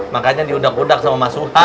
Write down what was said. makanya diundak undak sama mas suha